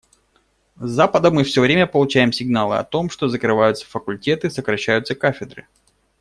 С Запада мы все время получаем сигналы о том, что закрываются факультеты, сокращаются кафедры.